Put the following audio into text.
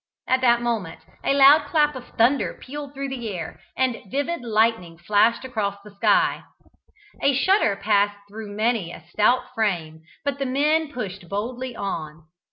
At that moment a loud clap of thunder pealed through the air, and vivid lightning flashed across the sky. A shudder passed through many a stout frame, but the men pushed boldly on.